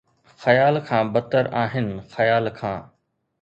خيال کان بدتر آهن خيال کان